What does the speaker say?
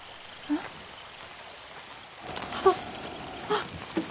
あっあっ。